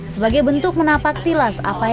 sebagai bentuk menapak tilas